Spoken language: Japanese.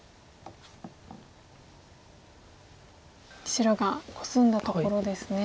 白がコスんだところですね。